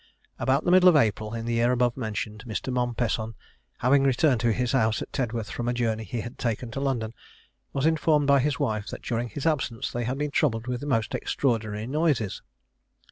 About the middle of April, in the year above mentioned, Mr. Mompesson, having returned to his house at Tedworth, from a journey he had taken to London, was informed by his wife that during his absence they had been troubled with the most extraordinary noises.